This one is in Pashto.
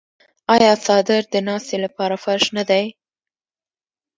آیا څادر د ناستې لپاره فرش نه دی؟